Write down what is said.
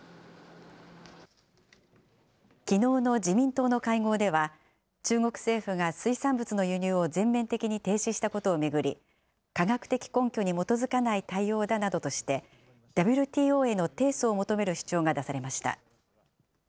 きのうの自民党の会合では、中国政府が水産物の輸入を全面的に停止したことを巡り、科学的根拠に基づかない対応だなどとして、ＷＴＯへの提訴を求める主張が出されました。